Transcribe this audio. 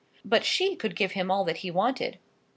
But she could give him all that he wanted.